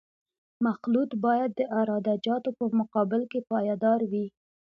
مخلوط باید د عراده جاتو په مقابل کې پایدار وي